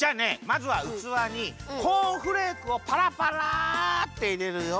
まずはうつわにコーンフレークをパラパラっていれるよ。